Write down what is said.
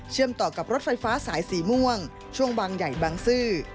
ต่อกับรถไฟฟ้าสายสีม่วงช่วงบางใหญ่บางซื่อ